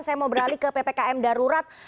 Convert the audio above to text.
saya mau beralih ke ppkm darurat